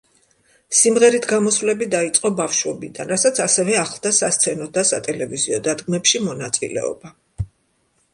სიმღერით გამოსვლები დაიწყო ბავშვობიდან, რასაც ასევე ახლდა სასცენო და სატელევიზიო დადგმებში მონაწილეობა.